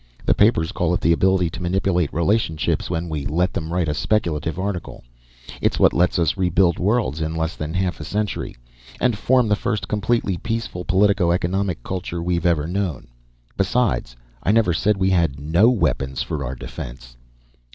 The papers call it the ability to manipulate relationships, when we let them write a speculative article. It's what lets us rebuild worlds in less than half a century and form the first completely peaceful politico economic culture we've ever known. Besides, I never said we had no weapons for our defense."